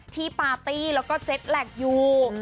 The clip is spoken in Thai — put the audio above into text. ที่ปาร์ตี้แล้วก็เจ็ตแหลกอยู่